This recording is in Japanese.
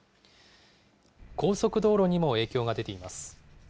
高速道路にも影響が出ています。